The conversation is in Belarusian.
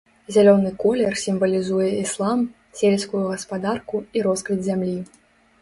Зялёны колер сімвалізуе іслам, сельскую гаспадарку і росквіт зямлі.